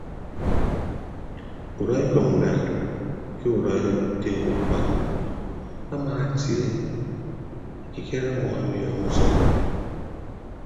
Udọ ekọñ nda ke udo ete ukpa amaatie ekikere ọmọ ọnyọọñ usʌñ.